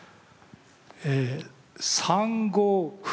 え３五歩。